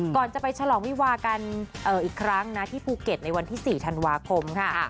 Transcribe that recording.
ก่อนจะไปฉลองวิวากันอีกครั้งนะที่ภูเก็ตในวันที่๔ธันวาคมค่ะ